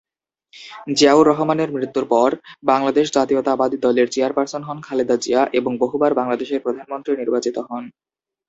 জিয়াউর রহমানের মৃত্যুর পর, বাংলাদেশ জাতীয়তাবাদী দলের চেয়ারপারসন হন খালেদা জিয়া এবং বহুবার বাংলাদেশের প্রধানমন্ত্রী নির্বাচিত হন।